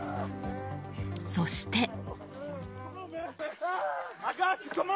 そして。